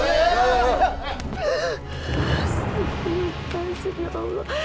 astagfirullahaladzim ya allah